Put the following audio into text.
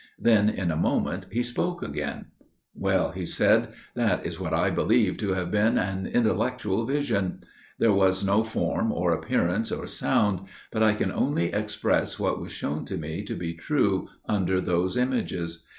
Then in a moment he spoke again. "Well," he said, "that is what I believe to have been an intellectual vision. There was no form or appearance or sound; but I can only express what was shown to me to be true, under those images.